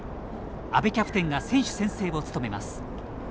阿部キャプテンが選手宣誓を務めます。